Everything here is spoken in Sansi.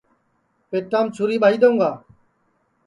پیٹام چُھری ٻائی دؔیوں گا